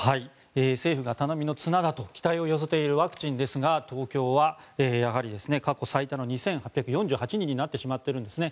政府が頼みの綱だと期待を寄せているワクチンですが東京はやはり過去最多の２８４８人になってしまっているんですね。